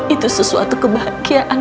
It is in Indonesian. itu sesuatu kebahagiaan